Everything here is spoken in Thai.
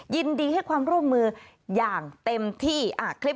ยินดีให้ความร่วมมืออย่างเต็มที่คลิป